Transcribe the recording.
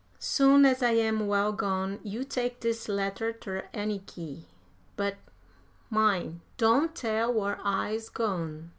Soon as I am well gone, you take dis letter ter Anniky; but min', don't tell whar I's gone.